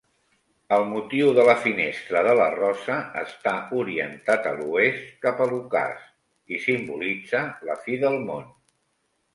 El motiu de la Finestra de la rosa està orientat a l'oest cap a l'ocàs i simbolitza la fi del món.